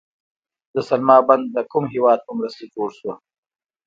د سلما بند د کوم هیواد په مرسته جوړ شو؟